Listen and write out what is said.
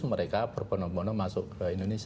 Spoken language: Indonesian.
mereka berponong ponong masuk ke indonesia